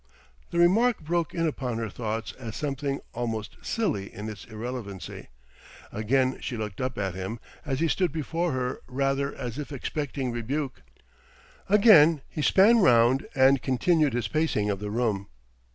The remark broke in upon her thoughts as something almost silly in its irrelevancy. Again she looked up at him as he stood before her rather as if expecting rebuke. Again he span round and continued his pacing of the room.